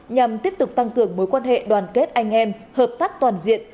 nhằm tiếp tục tăng cường mối quan hệ đoàn kết anh em hợp tác toàn diện